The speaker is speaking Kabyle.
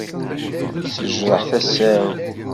Tejreḥ tasa-w.